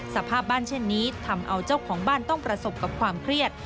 สภาพบ้านเช่นนี้ทำเอาเจ้าของบ้านต้องประสบกับความเครียด